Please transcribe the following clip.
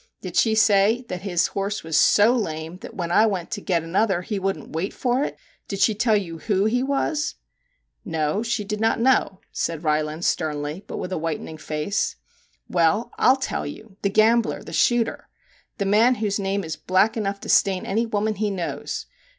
Did she say that his horse was so lame that when I went to get another he wouldn't wait for it ? Did she tell you who he was ?'' No, she did not know/ said Rylands sternly, but with a whitening face. MR. JACK HAMLIN'S MEDIATION 55 'Well, I'll tell you! The gambler, the shooter ! the man whose name is black enough to stain any woman he knows.